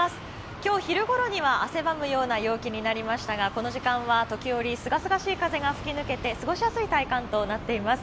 今日、昼頃には汗ばむような陽気になりましたがこの時間は時折、すがすがしい風が吹き抜けて過ごしやすい体感となっています。